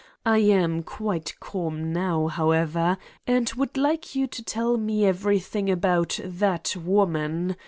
I am quite calm now, however, and would like you to tell me every thing about ... that woman.